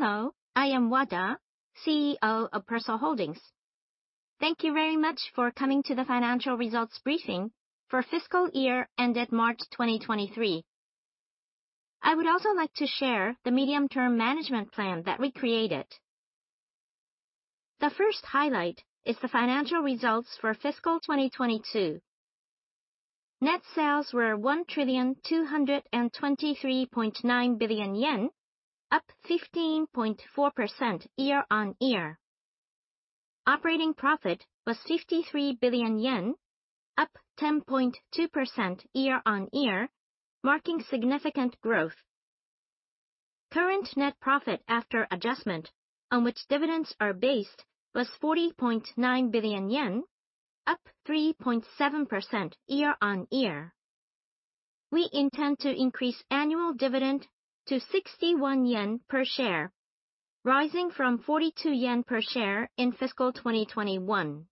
Hello, I am Wada, CEO of PERSOL HOLDINGS. Thank you very much for coming to the financial results briefing for fiscal year ended March 2023. I would also like to share the medium-term management plan that we created. The first highlight is the financial results for fiscal 2022. Net sales were 1,223.9 billion yen, up 15.4% year-on-year. Operating profit was 53 billion yen, up 10.2% year-on-year, marking significant growth. Current net profit after adjustment on which dividends are based was 40.9 billion yen, up 3.7% year-on-year. We intend to increase annual dividend to 61 yen per share, rising from 42 yen per share in fiscal 2021.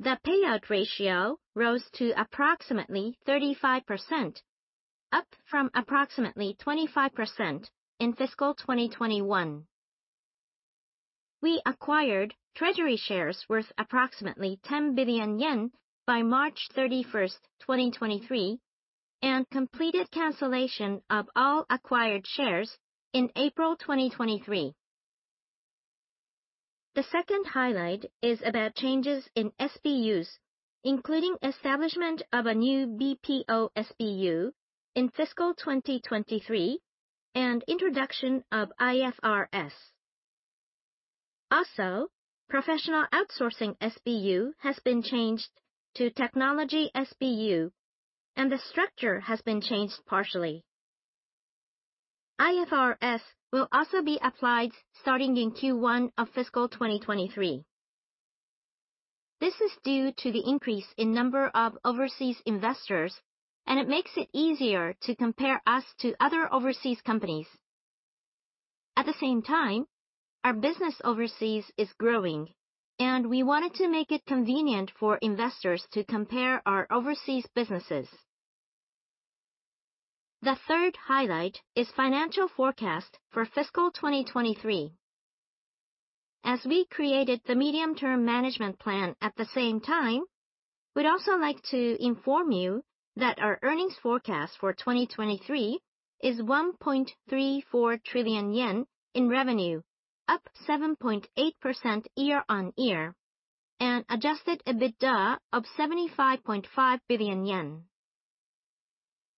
The payout ratio rose to approximately 35%, up from approximately 25% in fiscal 2021. We acquired treasury shares worth approximately 10 billion yen by March 31, 2023, and completed cancellation of all acquired shares in April 2023. The second highlight is about changes in SBUs, including establishment of a new BPO SBU in fiscal 2023 and introduction of IFRS. Professional Outsourcing SBU has been changed to Technology SBU, and the structure has been changed partially. IFRS will also be applied starting in Q1 of fiscal 2023. This is due to the increase in number of overseas investors, and it makes it easier to compare us to other overseas companies. At the same time, our business overseas is growing and we wanted to make it convenient for investors to compare our overseas businesses. The third highlight is financial forecast for fiscal 2023. As we created the medium-term management plan at the same time, we'd also like to inform you that our earnings forecast for 2023 is 1.34 trillion yen in revenue, up 7.8% year-on-year, and Adjusted EBITDA of 75.5 billion yen.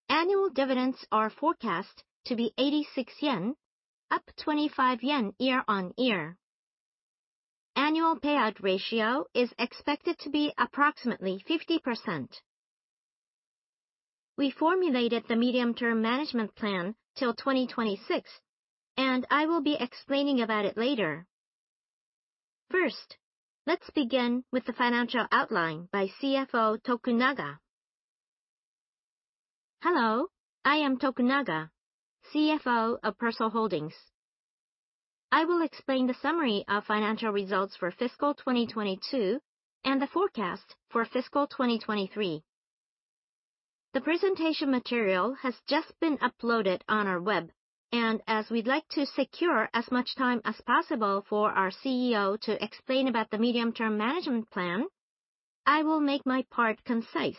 Annual dividends are forecast to be 86 yen, up 25 yen year-on-year. Annual payout ratio is expected to be approximately 50%. We formulated the medium-term management plan till 2026, and I will be explaining about it later. First, let's begin with the financial outline by CFO Tokunaga. Hello, I am Tokunaga, CFO of PERSOL HOLDINGS. I will explain the summary of financial results for fiscal 2022 and the forecast for fiscal 2023. The presentation material has just been uploaded on our web. As we'd like to secure as much time as possible for our CEO to explain about the medium-term management plan, I will make my part concise.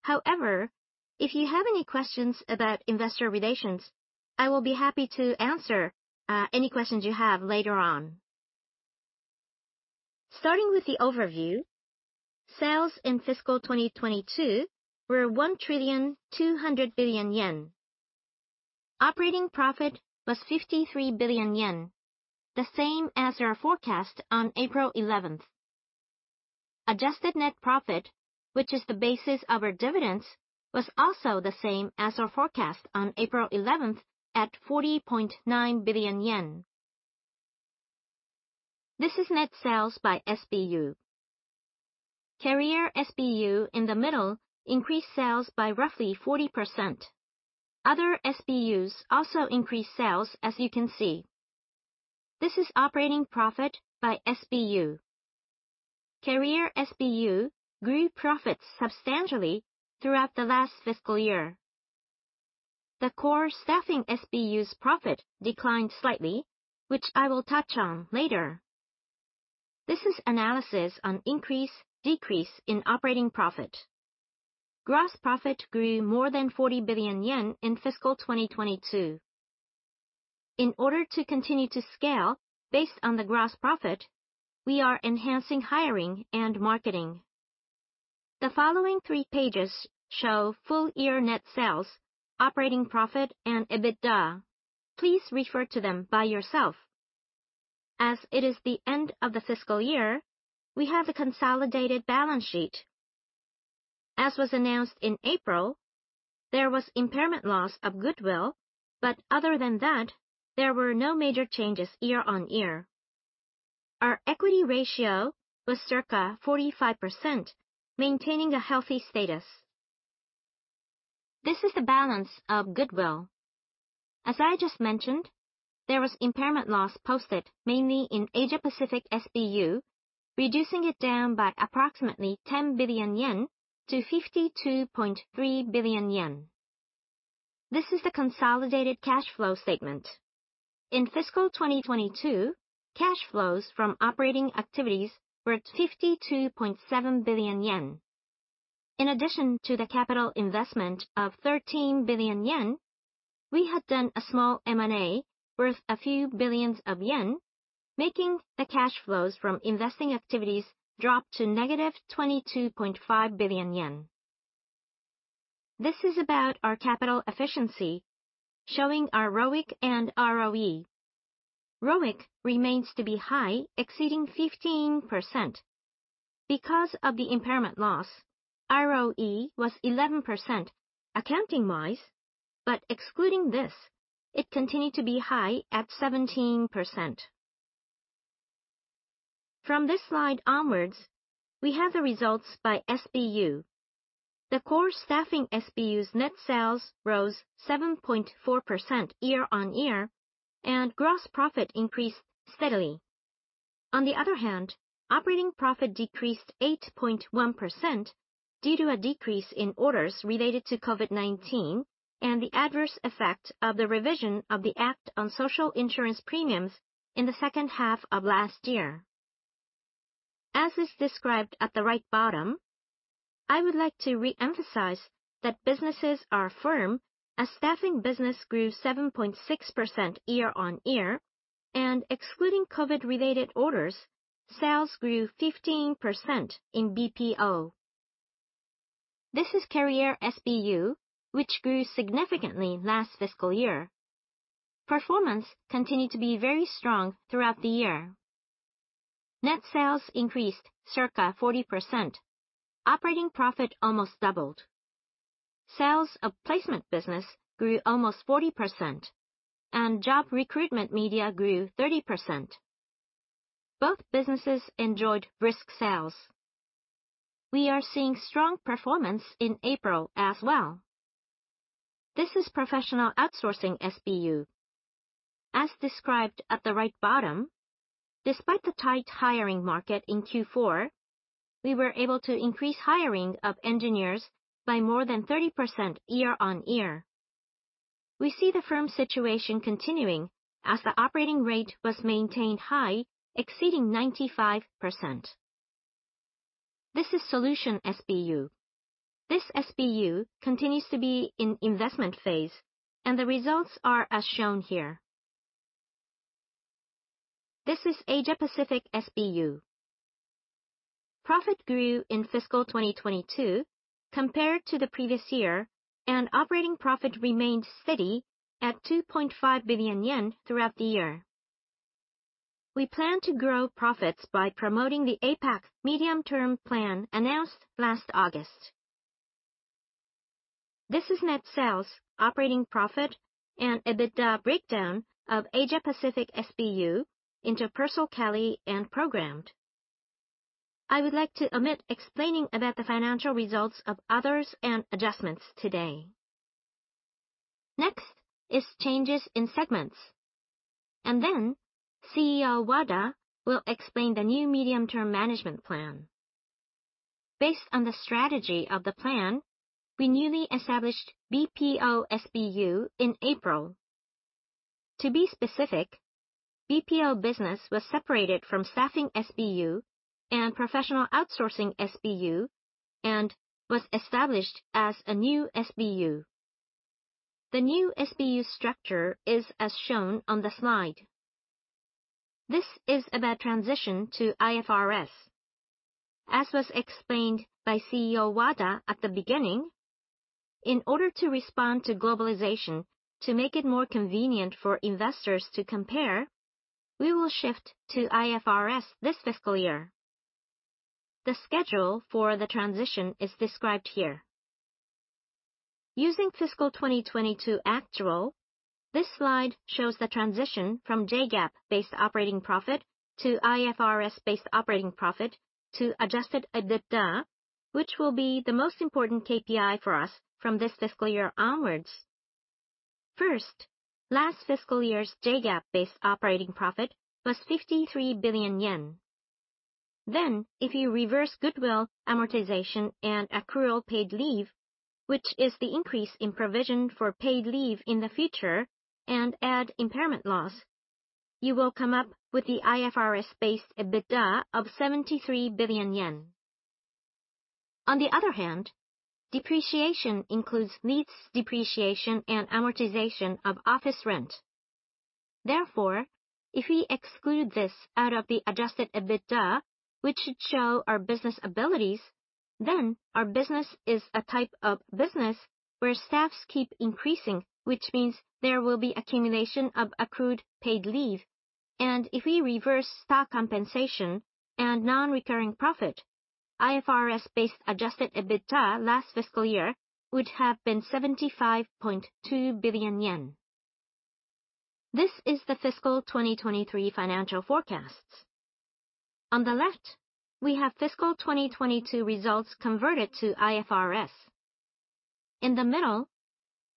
However, if you have any questions about investor relations, I will be happy to answer any questions you have later on. Starting with the overview, sales in fiscal 2022 were 1.2 trillion. Operating profit was 53 billion yen, the same as our forecast on April 11th. Adjusted net profit, which is the basis of our dividends, was also the same as our forecast on April 11th at 40.9 billion yen. This is net sales by SBU. Career SBU in the middle increased sales by roughly 40%. Other SBUs also increased sales, as you can see. This is operating profit by SBU. Career SBU grew profits substantially throughout the last fiscal year. The core Staffing SBU's profit declined slightly, which I will touch on later. This is analysis on increase/decrease in operating profit. Gross profit grew more than 40 billion yen in fiscal 2022. In order to continue to scale based on the gross profit, we are enhancing hiring and marketing. The following three pages show full year net sales, operating profit, and EBITDA. Please refer to them by yourself. As it is the end of the fiscal year, we have the consolidated balance sheet. As was announced in April, there was impairment loss of goodwill, but other than that, there were no major changes year on year. Our equity ratio was circa 45%, maintaining a healthy status. This is the balance of goodwill. As I just mentioned, there was impairment loss posted mainly in Asia-Pacific SBU. Reducing it down by approximately 10 billion yen to 52.3 billion yen. This is the consolidated cash flow statement. In fiscal 2022, cash flows from operating activities were at 52.7 billion yen. In addition to the capital investment of 13 billion yen, we had done a small M&A worth a few billions of JPY, making the cash flows from investing activities drop to negative 22.5 billion yen. This is about our capital efficiency showing our ROIC and ROE. ROIC remains to be high, exceeding 15%. Because of the impairment loss, ROE was 11% accounting-wise, but excluding this, it continued to be high at 17%. From this slide onwards, we have the results by SBU. The core Staffing SBU's net sales rose 7.4% year-on-year. Gross profit increased steadily. On the other hand, operating profit decreased 8.1% due to a decrease in orders related to COVID-19 and the adverse effect of the revision of the act on social insurance premiums in the second half of last year. As is described at the right bottom, I would like to re-emphasize that businesses are firm as Staffing business grew 7.6% year-on-year and excluding COVID-related orders, sales grew 15% in BPO. This is Career SBU, which grew significantly last fiscal year. Performance continued to be very strong throughout the year. Net sales increased circa 40%. Operating profit almost doubled. Sales of placement business grew almost 40%, and job recruitment media grew 30%. Both businesses enjoyed brisk sales. We are seeing strong performance in April as well. This is Professional Outsourcing SBU. As described at the right bottom, despite the tight hiring market in Q4, we were able to increase hiring of engineers by more than 30% year on year. We see the firm situation continuing as the operating rate was maintained high, exceeding 95%. This is Solution SBU. This SBU continues to be in investment phase, and the results are as shown here. This is Asia Pacific SBU. Profit grew in fiscal 2022 compared to the previous year, and operating profit remained steady at 2.5 billion yen throughout the year. We plan to grow profits by promoting the APAC medium-term plan announced last August. This is net sales, operating profit, and EBITDA breakdown of Asia Pacific SBU into PERSOLKELLY and Programmed. I would like to omit explaining about the financial results of others and adjustments today. Next is changes in segments. Then CEO Wada will explain the new medium-term management plan. Based on the strategy of the plan, we newly established BPO SBU in April. To be specific, BPO business was separated from Staffing SBU and Professional Outsourcing SBU and was established as a new SBU. The new SBU structure is as shown on the slide. This is about transition to IFRS. As was explained by CEO Wada at the beginning, in order to respond to globalization to make it more convenient for investors to compare, we will shift to IFRS this fiscal year. The schedule for the transition is described here. Using fiscal 2022 actual, this slide shows the transition from JGAAP-based operating profit to IFRS-based operating profit to adjusted EBITDA, which will be the most important KPI for us from this fiscal year onwards. First, last fiscal year's JGAAP-based operating profit was 53 billion yen. If you reverse goodwill amortization and accrual paid leave, which is the increase in provision for paid leave in the future and add impairment loss, you will come up with the IFRS-based EBITDA of 73 billion yen. On the other hand, depreciation includes lease depreciation and amortization of office rent. Therefore, if we exclude this out of the adjusted EBITDA, which should show our business abilities, then our business is a type of business where staffs keep increasing, which means there will be accumulation of accrued paid leave. If we reverse stock compensation and non-recurring profit, IFRS-based Adjusted EBITDA last fiscal year would have been 75.2 billion yen. This is the fiscal 2023 financial forecasts. On the left, we have fiscal 2022 results converted to IFRS. In the middle,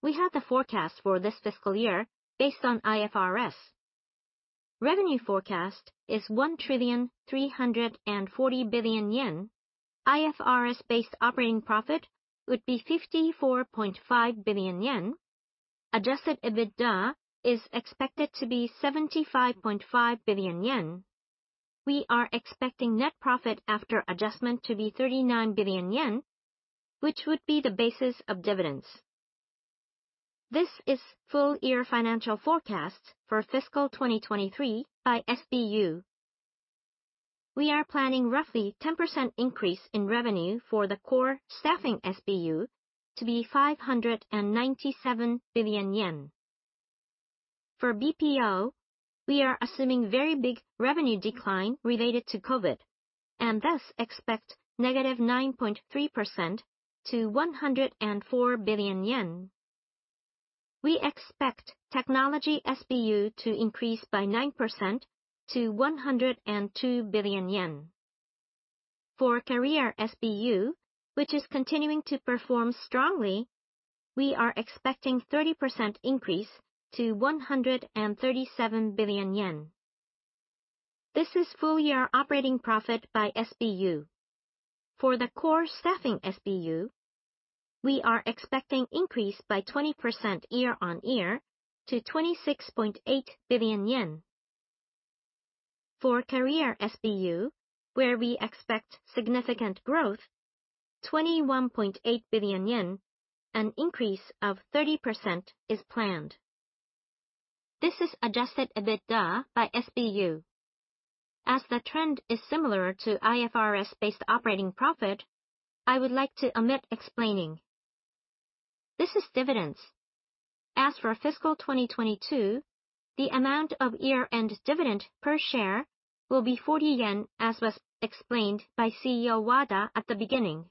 we have the forecast for this fiscal year based on IFRS. Revenue forecast is 1,340 billion yen. IFRS-based operating profit would be 54.5 billion yen. Adjusted EBITDA is expected to be 75.5 billion yen. We are expecting net profit after adjustment to be 39 billion yen, which would be the basis of dividends. This is full year financial forecast for fiscal 2023 by SBU. We are planning roughly 10% increase in revenue for the core Staffing SBU to be 597 billion yen. For BPO, we are assuming very big revenue decline related to COVID and thus expect negative 9.3% to 104 billion yen. We expect Technology SBU to increase by 9% to 102 billion yen. For Career SBU, which is continuing to perform strongly, we are expecting 30% increase to 137 billion yen. This is full year operating profit by SBU. For the core Staffing SBU, we are expecting increase by 20% year-on-year to 26.8 billion yen. For Career SBU, where we expect significant growth, 21.8 billion yen, an increase of 30% is planned. This is Adjusted EBITDA by SBU. As the trend is similar to IFRS-based operating profit, I would like to omit explaining. This is dividends. As for fiscal 2022, the amount of year-end dividend per share will be 40 yen, as was explained by CEO Wada at the beginning.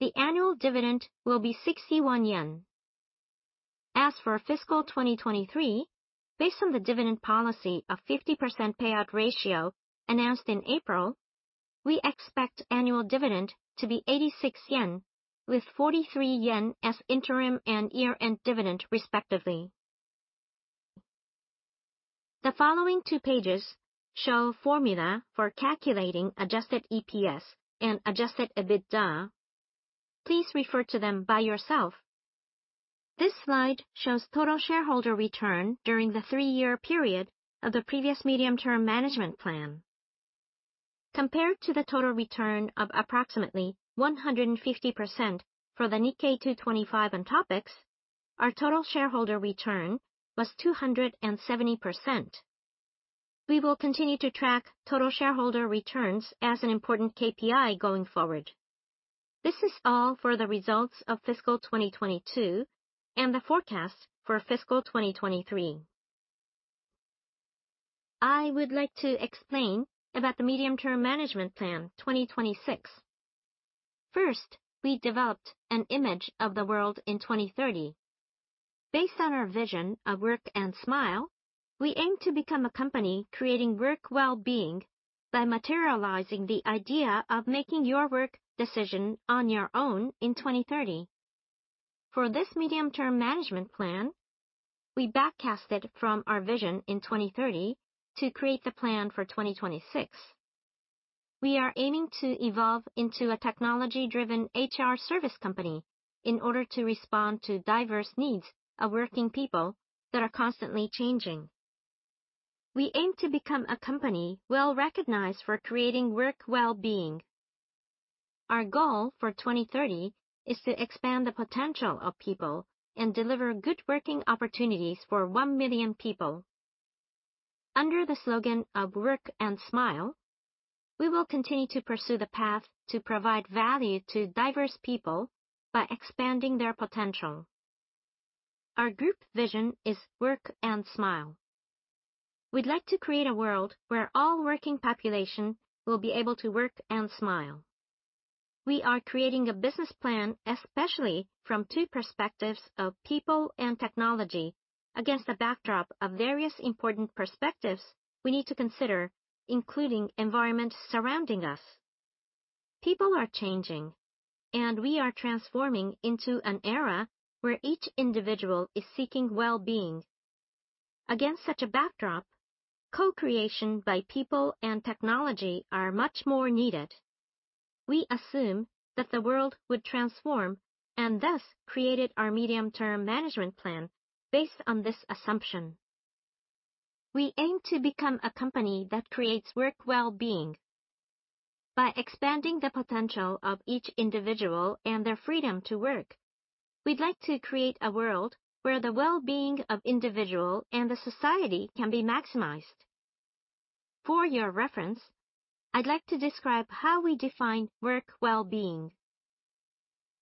The annual dividend will be 61 yen. As for fiscal 2023, based on the dividend policy of 50% payout ratio announced in April, we expect annual dividend to be 86 yen with 43 yen as interim and year-end dividend respectively. The following two pages show formula for calculating Adjusted EPS and Adjusted EBITDA. Please refer to them by yourself. This slide shows total shareholder return during the three-year period of the previous medium-term management plan. Compared to the total return of approximately 150% for the Nikkei 225 and TOPIX, our total shareholder return was 270%. We will continue to track total shareholder returns as an important KPI going forward. This is all for the results of fiscal 2022 and the forecast for fiscal 2023. I would like to explain about the medium-term management plan 2026. We developed an image of the world in 2030. Based on our vision of Work and Smile, we aim to become a company creating work well-being by materializing the idea of making your work decision on your own in 2030. For this medium-term management plan, we back-casted from our vision in 2030 to create the plan for 2026. We are aiming to evolve into a technology-driven HR service company in order to respond to diverse needs of working people that are constantly changing. We aim to become a company well-recognized for creating work well-being. Our goal for 2030 is to expand the potential of people and deliver good working opportunities for one million people. Under the slogan of Work and Smile, we will continue to pursue the path to provide value to diverse people by expanding their potential. Our group vision is Work and Smile. We'd like to create a world where all working population will be able to Work and Smile. We are creating a business plan, especially from two perspectives of people and technology against the backdrop of various important perspectives we need to consider, including environment surrounding us. People are changing, and we are transforming into an era where each individual is seeking well-being. Against such a backdrop, co-creation by people and technology are much more needed. We assume that the world would transform and thus created our medium-term management plan based on this assumption. We aim to become a company that creates work well-being. By expanding the potential of each individual and their freedom to work, we'd like to create a world where the well-being of individual and the society can be maximized. For your reference, I'd like to describe how we define work well-being.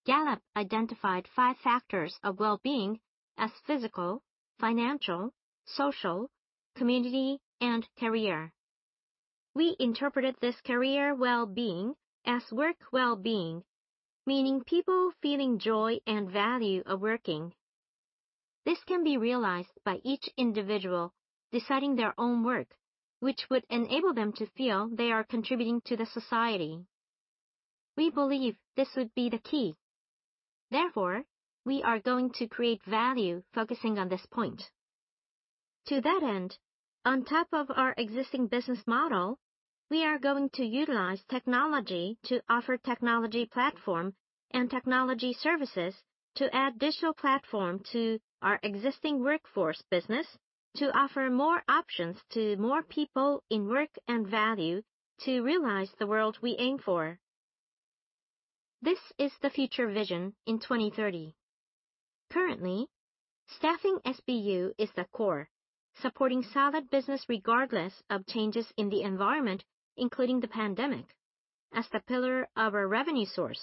Gallup identified five factors of well-being as physical, financial, social, community, and career. We interpreted this career well-being as work well-being, meaning people feeling joy and value of working. This can be realized by each individual deciding their own work, which would enable them to feel they are contributing to the society. We believe this would be the key. Therefore, we are going to create value focusing on this point. To that end, on top of our existing business model, we are going to utilize technology to offer technology platform and technology services to add digital platform to our existing workforce business to offer more options to more people in work and value to realize the world we aim for. This is the future vision in 2030. Currently, Staffing SBU is the core, supporting solid business regardless of changes in the environment, including the pandemic, as the pillar of our revenue source.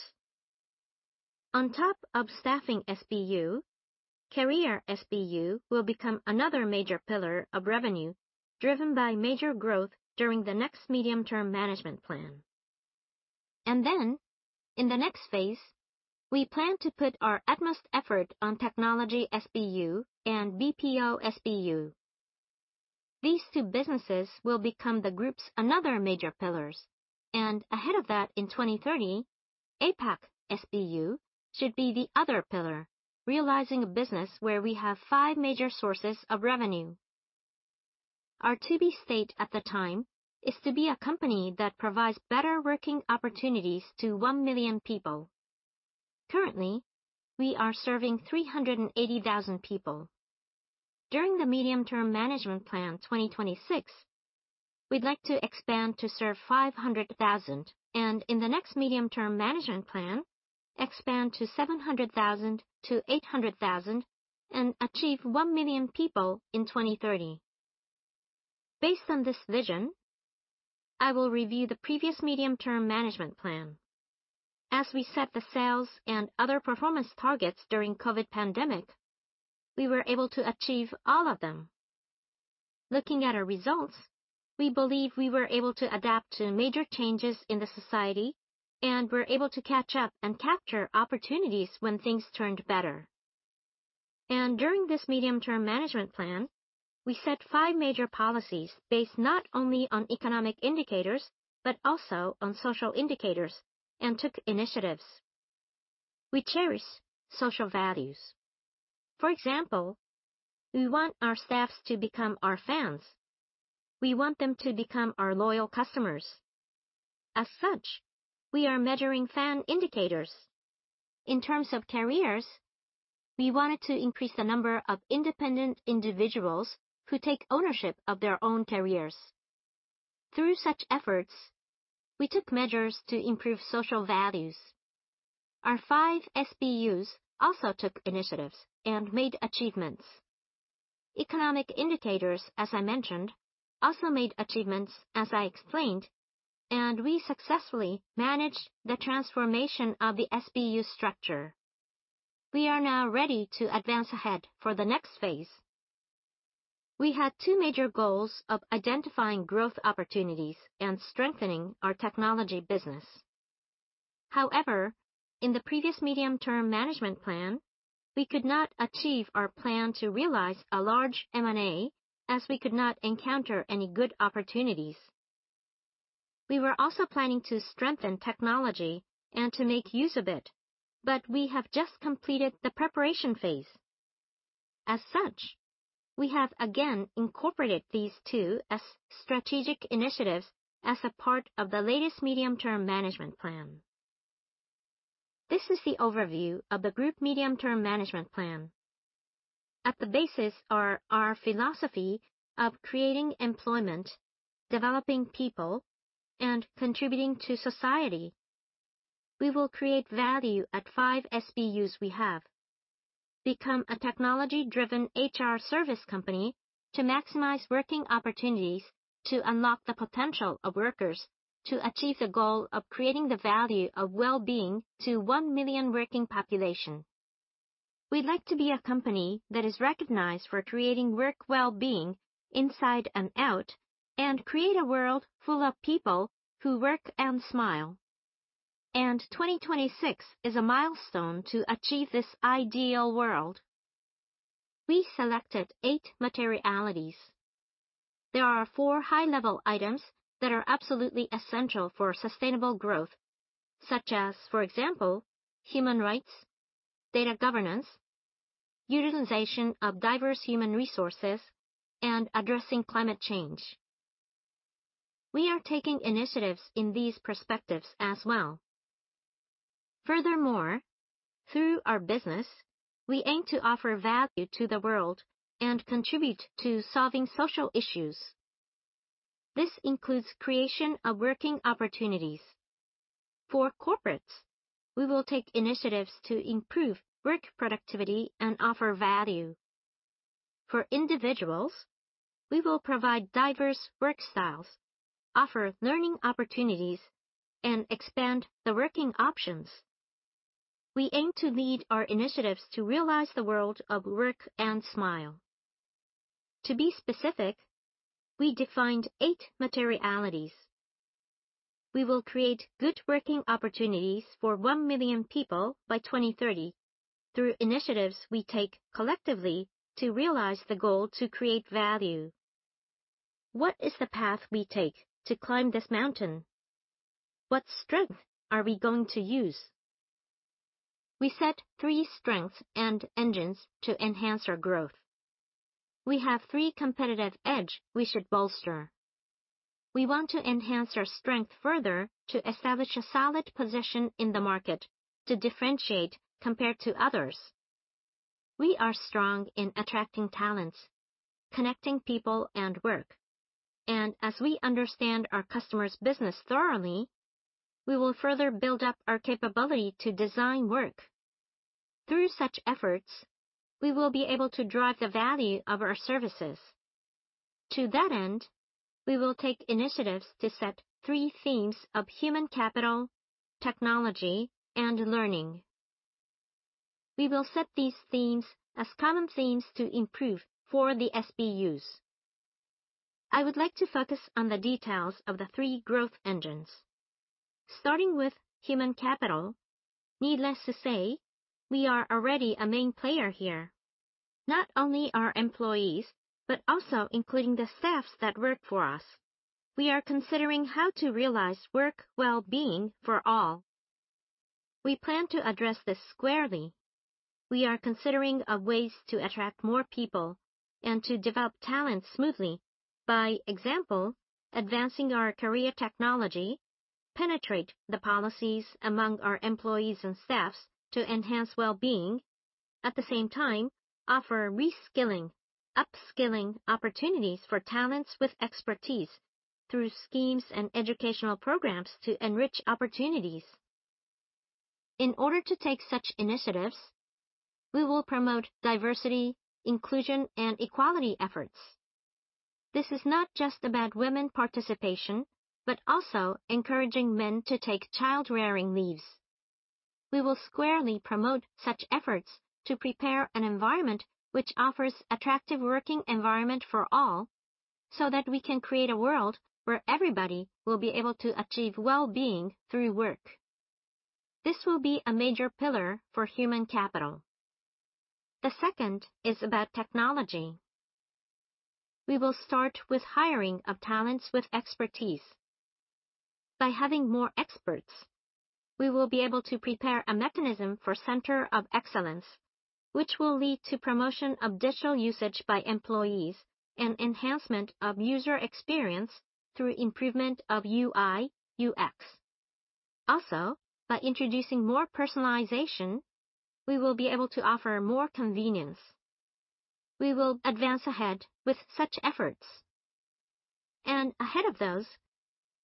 On top of Staffing SBU, Career SBU will become another major pillar of revenue driven by major growth during the next medium-term management plan. In the next phase, we plan to put our utmost effort on Technology SBU and BPO SBU. These two businesses will become the Group's another major pillars. Ahead of that in 2030, APAC SBU should be the other pillar, realizing a business where we have five major sources of revenue. Our to-be state at the time is to be a company that provides better working opportunities to one million people. Currently, we are serving 380,000 people. During the medium-term management plan 2026, we'd like to expand to serve 500,000. In the next medium-term management plan, expand to 700,000 to 800,000 and achieve one million people in 2030. Based on this vision, I will review the previous medium-term management plan. As we set the sales and other performance targets during COVID pandemic, we were able to achieve all of them. Looking at our results, we believe we were able to adapt to major changes in the society and were able to catch up and capture opportunities when things turned better. During this medium-term management plan, we set five major policies based not only on economic indicators, but also on social indicators, and took initiatives. We cherish social values. For example, we want our staffs to become our fans. We want them to become our loyal customers. As such, we are measuring fan indicators. In terms of careers, we wanted to increase the number of independent individuals who take ownership of their own careers. Through such efforts, we took measures to improve social values. Our five SBUs also took initiatives and made achievements. Economic indicators, as I mentioned, also made achievements as I explained, and we successfully managed the transformation of the SBU structure. We are now ready to advance ahead for the next phase. We had two major goals of identifying growth opportunities and strengthening our technology business. However, in the previous medium-term management plan, we could not achieve our plan to realize a large M&A as we could not encounter any good opportunities. We were also planning to strengthen technology and to make use of it, but we have just completed the preparation phase. As such, we have again incorporated these two as strategic initiatives as a part of the latest medium-term management plan. This is the overview of the group medium-term management plan. At the basis are our philosophy of creating employment, developing people, and contributing to society. We will create value at five SBUs we have. Become a technology-driven HR service company to maximize working opportunities to unlock the potential of workers to achieve the goal of creating the value of well-being to one million working population. We'd like to be a company that is recognized for creating work well-being inside and out and create a world full of people who Work and Smile. 2026 is a milestone to achieve this ideal world. We selected eight [materialities]. There are four high-level items that are absolutely essential for sustainable growth, such as, for example, human rights, data governance, utilization of diverse human resources, and addressing climate change. We are taking initiatives in these perspectives as well. Furthermore, through our business, we aim to offer value to the world and contribute to solving social issues. This includes creation of working opportunities. For corporates, we will take initiatives to improve work productivity and offer value. For individuals, we will provide diverse work styles, offer learning opportunities, and expand the working options. We aim to lead our initiatives to realize the world of Work and Smile. To be specific, we defined eight [materialities]. We will create good working opportunities for 1 million people by 2023 through initiatives we take collectively to realize the goal to create value. What is the path we take to climb this mountain? What strength are we going to use? We set three strengths and engines to enhance our growth. We have three competitive edge we should bolster. We want to enhance our strength further to establish a solid position in the market to differentiate compared to others. We are strong in attracting talents, connecting people and work. As we understand our customers' business thoroughly, we will further build up our capability to design work. Through such efforts, we will be able to drive the value of our services. To that end, we will take initiatives to set three themes of human capital, technology, and learning. We will set these themes as common themes to improve for the SBUs. I would like to focus on the details of the three growth engines. Starting with human capital, needless to say, we are already a main player here. Not only our employees, but also including the staffs that work for us. We are considering how to realize work well-being for all. We plan to address this squarely. We are considering of ways to attract more people and to develop talent smoothly. By example, advancing our career technology, penetrate the policies among our employees and staffs to enhance well-being. At the same time, offer reskilling, upskilling opportunities for talents with expertise through schemes and educational programs to enrich opportunities. In order to take such initiatives, we will promote diversity, inclusion, and equality efforts. This is not just about women participation, but also encouraging men to take child-rearing leaves. We will squarely promote such efforts to prepare an environment which offers attractive working environment for all so that we can create a world where everybody will be able to achieve well-being through work. This will be a major pillar for human capital. The second is about technology. We will start with hiring of talents with expertise. By having more experts, we will be able to prepare a mechanism for Center of Excellence, which will lead to promotion of digital usage by employees and enhancement of user experience through improvement of UI, UX. By introducing more personalization, we will be able to offer more convenience. We will advance ahead with such efforts. Ahead of those,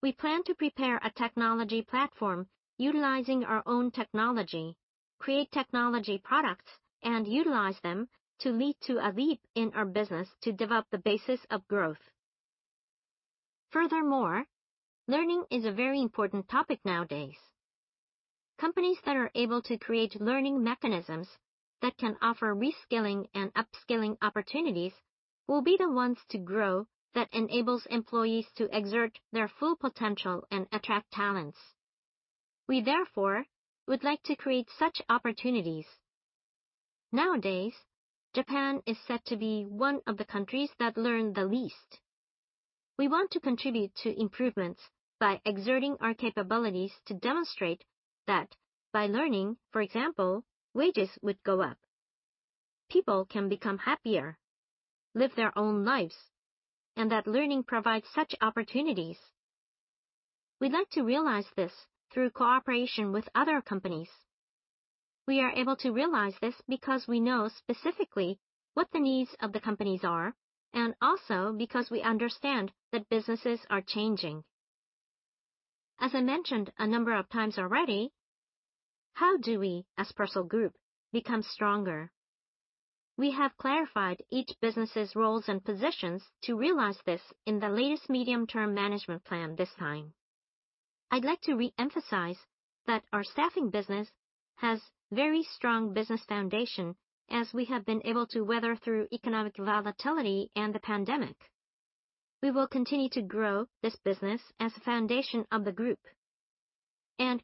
we plan to prepare a technology platform utilizing our own technology, create technology products, and utilize them to lead to a leap in our business to develop the basis of growth. Learning is a very important topic nowadays. Companies that are able to create learning mechanisms that can offer reskilling and upskilling opportunities will be the ones to grow that enables employees to exert their full potential and attract talents. We therefore would like to create such opportunities. Nowadays, Japan is said to be one of the countries that learn the least. We want to contribute to improvements by exerting our capabilities to demonstrate that by learning, for example, wages would go up. People can become happier, live their own lives, and that learning provides such opportunities. We'd like to realize this through cooperation with other companies. We are able to realize this because we know specifically what the needs of the companies are, and also because we understand that businesses are changing. As I mentioned a number of times already, how do we, as PERSOL Group, become stronger? We have clarified each business's roles and positions to realize this in the latest medium-term management plan this time. I'd like to re-emphasize that our staffing business has very strong business foundation as we have been able to weather through economic volatility and the pandemic. We will continue to grow this business as a foundation of the group.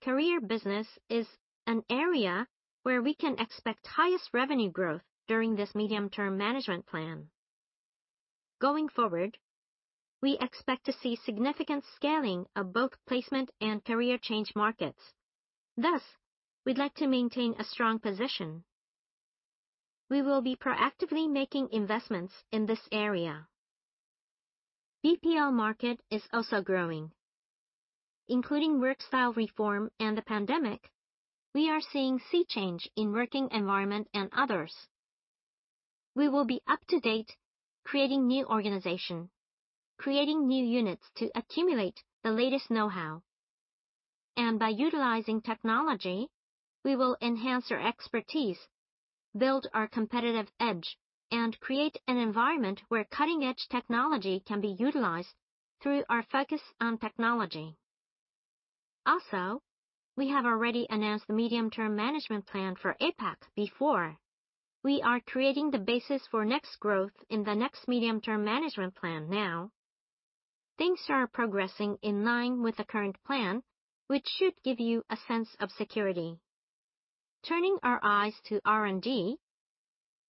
Career business is an area where we can expect highest revenue growth during this medium-term management plan. Going forward, we expect to see significant scaling of both placement and career change markets. Thus, we'd like to maintain a strong position. We will be proactively making investments in this area. BPO market is also growing. Including work style reform and the pandemic, we are seeing sea change in working environment and others. We will be up-to-date creating new organization, creating new units to accumulate the latest know-how. By utilizing technology, we will enhance our expertise, build our competitive edge, and create an environment where cutting-edge technology can be utilized through our focus on technology. We have already announced the medium-term management plan for APAC before. We are creating the basis for next growth in the next medium-term management plan now. Things are progressing in line with the current plan, which should give you a sense of security. Turning our eyes to R&D,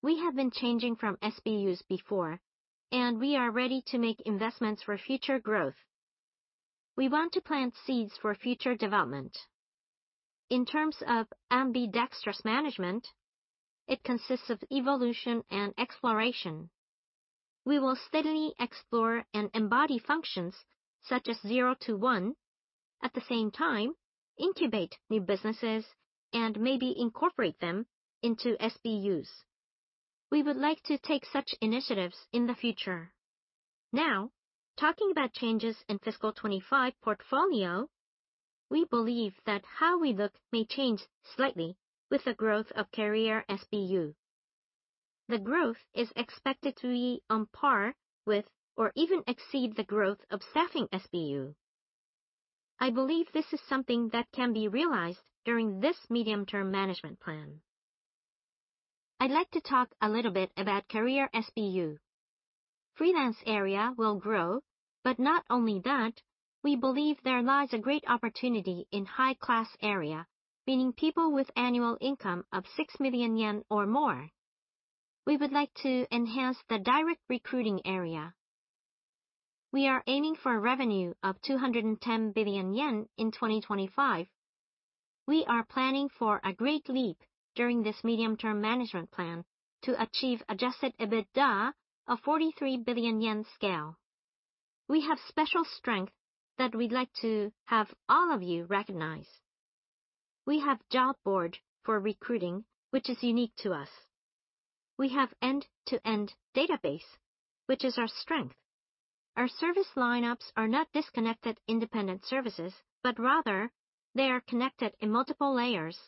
we have been changing from SBUs before, and we are ready to make investments for future growth. We want to plant seeds for future development. In terms of ambidextrous management, it consists of evolution and exploration. We will steadily explore and embody functions such as zero to one. At the same time, incubate new businesses and maybe incorporate them into SBUs. We would like to take such initiatives in the future. Talking about changes in fiscal 25 portfolio, we believe that how we look may change slightly with the growth of Career SBU. The growth is expected to be on par with or even exceed the growth of Staffing SBU. I believe this is something that can be realized during this medium-term management plan. I'd like to talk a little bit about Career SBU. Freelance area will grow, not only that, we believe there lies a great opportunity in high-class area, meaning people with annual income of six million yen or more. We would like to enhance the direct recruiting area. We are aiming for a revenue of 210 billion yen in 2025. We are planning for a great leap during this medium-term management plan to achieve Adjusted EBITDA of 43 billion yen scale. We have special strength that we'd like to have all of you recognize. We have job board for recruiting, which is unique to us. We have end-to-end database, which is our strength. Our service lineups are not disconnected independent services, rather they are connected in multiple layers.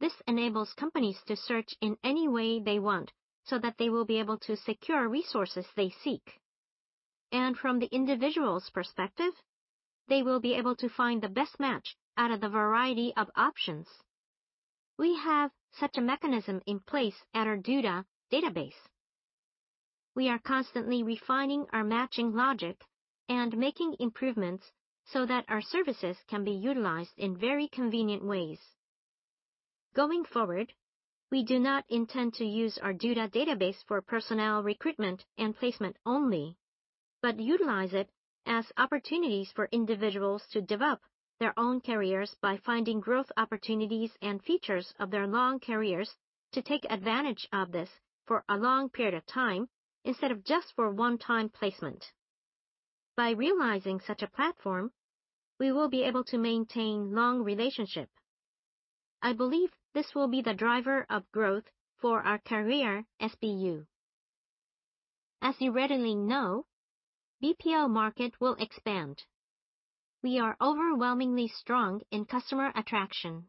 This enables companies to search in any way they want so that they will be able to secure resources they seek. From the individual's perspective, they will be able to find the best match out of the variety of options. We have such a mechanism in place at our data database. We are constantly refining our matching logic and making improvements so that our services can be utilized in very convenient ways. Going forward, we do not intend to use our data database for personnel recruitment and placement only, but utilize it as opportunities for individuals to develop their own careers by finding growth opportunities and features of their long careers to take advantage of this for a long period of time instead of just for one-time placement. By realizing such a platform, we will be able to maintain long relationship. I believe this will be the driver of growth for our Career SBU. As you readily know, BPO market will expand. We are overwhelmingly strong in customer attraction.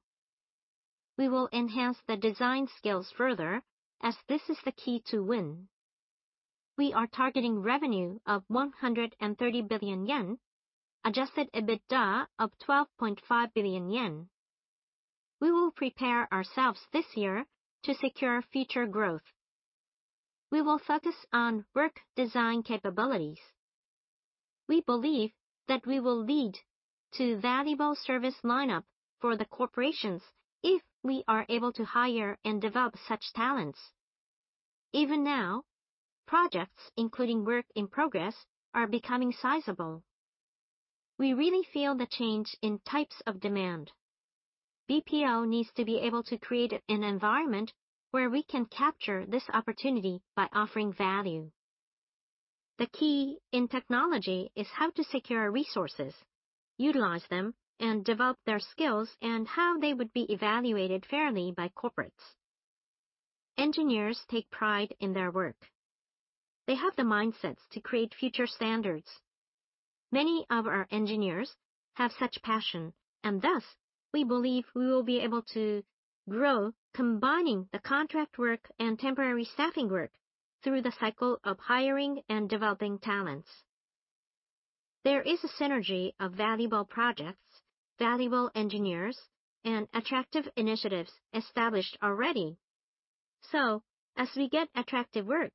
We will enhance the design skills further as this is the key to win. We are targeting revenue of 130 billion yen, Adjusted EBITDA of 12.5 billion yen. We will prepare ourselves this year to secure future growth. We will focus on work design capabilities. We believe that we will lead to valuable service lineup for the corporations if we are able to hire and develop such talents. Even now, projects including work in progress are becoming sizable. We really feel the change in types of demand. BPO needs to be able to create an environment where we can capture this opportunity by offering value. The key in technology is how to secure resources, utilize them, and develop their skills, and how they would be evaluated fairly by corporates. Engineers take pride in their work. They have the mindsets to create future standards. Many of our engineers have such passion, and thus, we believe we will be able to grow combining the contract work and temporary staffing work through the cycle of hiring and developing talents. There is a synergy of valuable projects, valuable engineers, and attractive initiatives established already. As we get attractive work,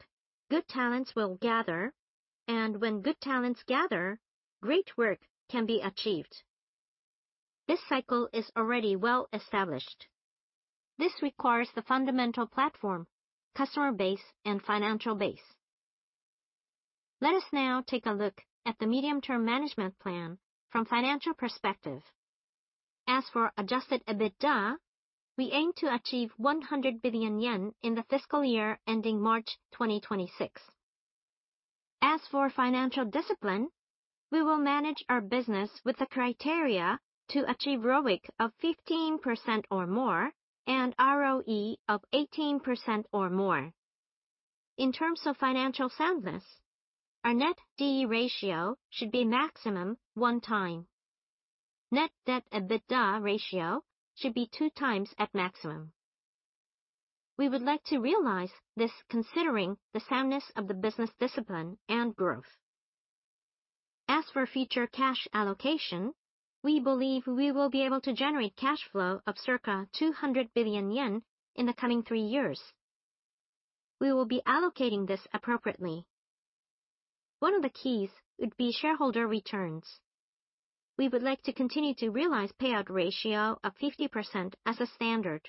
good talents will gather, and when good talents gather, great work can be achieved. This cycle is already well established. This requires the fundamental platform, customer base, and financial base. Let us now take a look at the medium-term management plan from financial perspective. As for Adjusted EBITDA, we aim to achieve 100 billion yen in the fiscal year ending March 2026. As for financial discipline, we will manage our business with the criteria to achieve ROIC of 15% or more and ROE of 18% or more. In terms of financial soundness, our Net D/E ratio should be maximum 1 time. Net Debt/EBITDA ratio should be two times at maximum. We would like to realize this considering the soundness of the business discipline and growth. As for future cash allocation, we believe we will be able to generate cash flow of circa 200 billion yen in the coming three years. We will be allocating this appropriately. One of the keys would be shareholder returns. We would like to continue to realize payout ratio of 50% as a standard.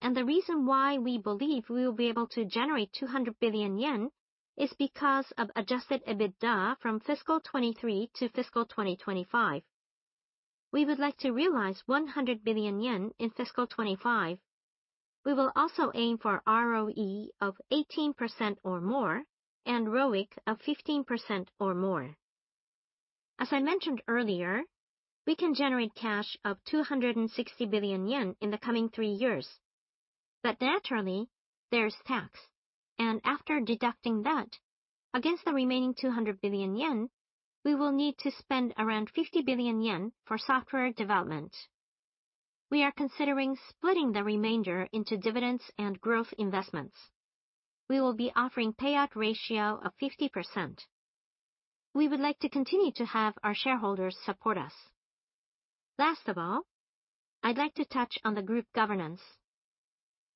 The reason why we believe we will be able to generate 200 billion yen is because of Adjusted EBITDA from fiscal 2023 to fiscal 2025. We would like to realize 100 billion yen in fiscal 2025. We will also aim for ROE of 18% or more and ROIC of 15% or more. As I mentioned earlier, we can generate cash of 260 billion yen in the coming three years. Naturally, there's tax, and after deducting that against the remaining 200 billion yen, we will need to spend around 50 billion yen for software development. We are considering splitting the remainder into dividends and growth investments. We will be offering payout ratio of 50%. We would like to continue to have our shareholders support us. Last of all, I'd like to touch on the group governance.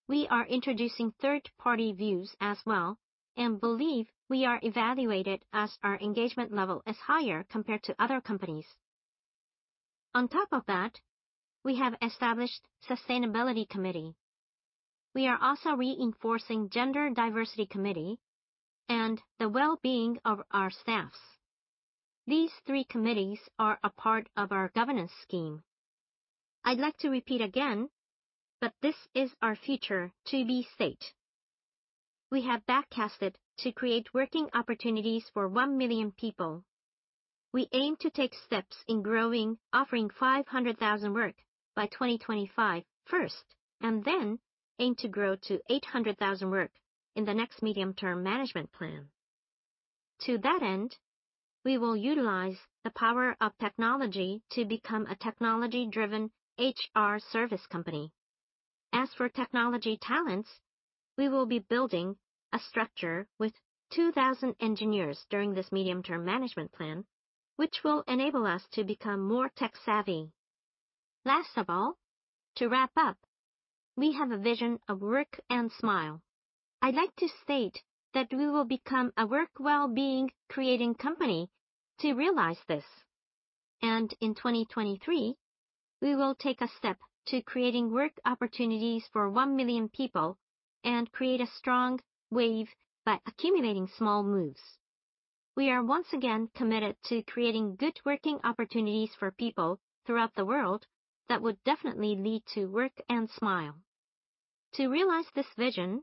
We are introducing third-party views as well and believe we are evaluated as our engagement level is higher compared to other companies. On top of that, we have established sustainability committee. We are also reinforcing gender diversity committee and the well-being of our staffs. These three committees are a part of our governance scheme. I'd like to repeat again, this is our future to be state. We have back-casted to create working opportunities for 1 million people. We aim to take steps in growing, offering 500,000 Work by 2025 first, then aim to grow to 800,000 Work in the next medium-term management plan. To that end, we will utilize the power of technology to become a technology-driven HR service company. As for technology talents, we will be building a structure with 2,000 engineers during this medium-term management plan, which will enable us to become more tech-savvy. Last of all, to wrap up, we have a vision of Work and Smile. I'd like to state that we will become a work well-being creating company to realize this. In 2023, we will take a step to creating work opportunities for one million people and create a strong wave by accumulating small moves. We are once again committed to creating good working opportunities for people throughout the world that would definitely lead to Work and Smile. To realize this vision,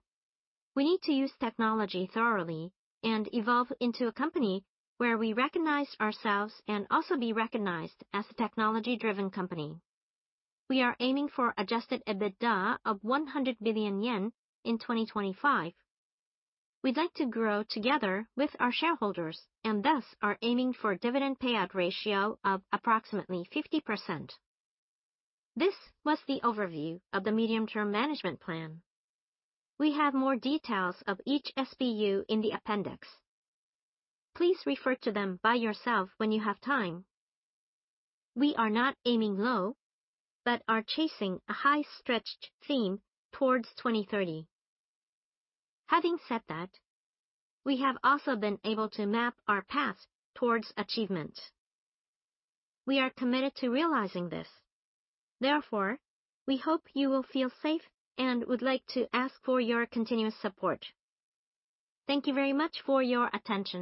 we need to use technology thoroughly and evolve into a company where we recognize ourselves and also be recognized as a technology-driven company. We are aiming for adjusted EBITDA of 100 billion yen in 2025. We'd like to grow together with our shareholders and thus are aiming for dividend payout ratio of approximately 50%. This was the overview of the medium-term management plan. We have more details of each SBU in the appendix. Please refer to them by yourself when you have time. We are not aiming low, but are chasing a high-stretched theme towards 2030. Having said that, we have also been able to map our path towards achievement. We are committed to realizing this. Therefore, we hope you will feel safe and would like to ask for your continuous support. Thank you very much for your attention.